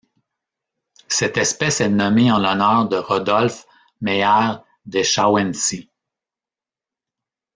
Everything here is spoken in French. Cette espèce est nommée en l'honneur de Rodolphe Meyer de Schauensee.